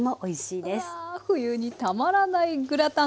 うわ冬にたまらないグラタン。